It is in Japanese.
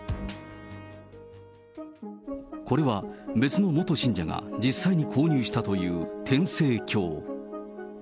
これは別の元信者が、実際に購入したという天聖経。